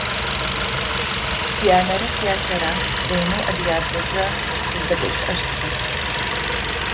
Сянэрэ сятэрэ ренэу адыгабзэкӏэ къыздэгущыӏэщтыгъэх.